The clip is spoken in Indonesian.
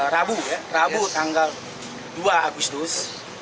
rabu ya rabu tanggal dua agustus